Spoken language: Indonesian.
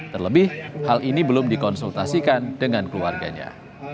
terlebih hal ini belum dikonsultasikan dengan keluarganya